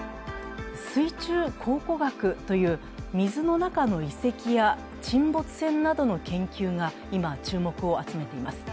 水中考古学という水の中の遺跡や沈没船などの研究が今、注目を集めています。